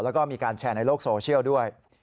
แล้วก็มีการแชร์ในโลกโซเชียลด้วย